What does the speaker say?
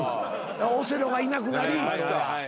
オセロがいなくなりそうか。